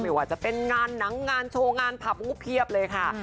ไม่ว่าจะเป็นงานหนังงานโชว์งานผับงูเพียบเลยค่ะ